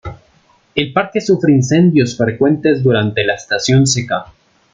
El parque sufre incendios frecuentes durante la estación seca.